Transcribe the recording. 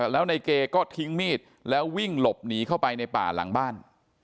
แล้วในเกก็ทิ้งมีดแล้ววิ่งหลบหนีเข้าไปในป่าหลังบ้าน